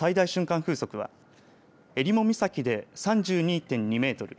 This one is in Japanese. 風速はえりも岬で３２．２メートル